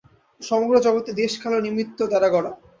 সমগ্র জগৎই দেশ কাল ও নিমিত্ত দ্বারা গড়া।